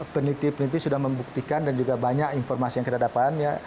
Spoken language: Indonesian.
peneliti peneliti sudah membuktikan dan juga banyak informasi yang kita dapat